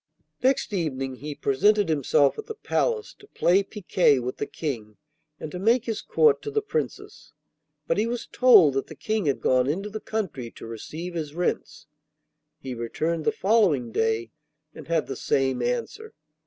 Next evening he presented himself at the palace to play picquet with the King and to make his court to the Princess. But he was told that the King had gone into the country to receive his rents. He returned the following day, and had the same answer.